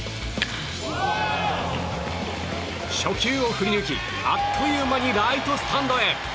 初球を振り抜き、あっという間にライトスタンドへ！